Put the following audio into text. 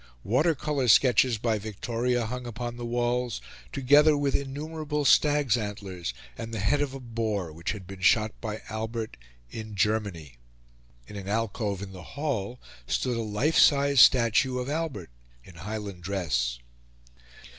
Water colour sketches by Victoria hung upon the walls, together with innumerable stags' antlers, and the head of a boar, which had been shot by Albert in Germany. In an alcove in the hall, stood a life sized statue of Albert in Highland dress.